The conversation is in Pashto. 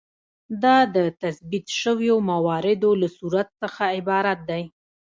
دا د تثبیت شویو مواردو له صورت څخه عبارت دی.